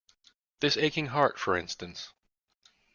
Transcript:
This aching heart, for instance.